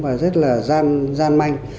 và rất là gian manh